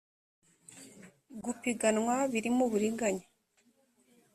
gupiganwa birimo uburiganya